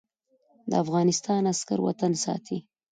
د افغانستان عسکر وطن ساتي